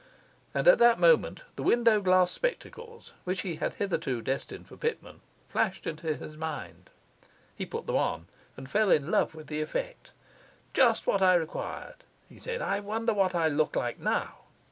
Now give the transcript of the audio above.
And at that moment the window glass spectacles (which he had hitherto destined for Pitman) flashed into his mind; he put them on, and fell in love with the effect. 'Just what I required,' he said. 'I wonder what I look like now?